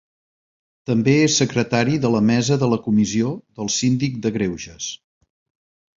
També és secretari de la mesa de la Comissió del Síndic de Greuges.